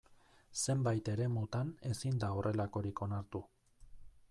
Zenbait eremutan ezin da horrelakorik onartu.